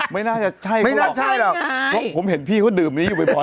ไม่น่าจะใช่หรอกเพราะผมเห็นพี่เขาดื่มอยู่ไว้บ่อย